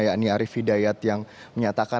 yang ini arief hidayat yang menyatakan